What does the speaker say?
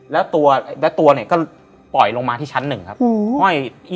แล้วตัวนี่ก็ปล่อยลงมาที่ชั้นนึงครับ